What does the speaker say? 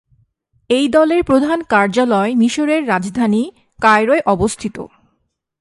এই দলের প্রধান কার্যালয় মিশরের রাজধানী কায়রোয় অবস্থিত।